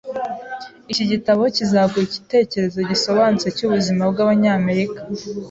Iki gitabo kizaguha igitekerezo gisobanutse cyubuzima bwabanyamerika.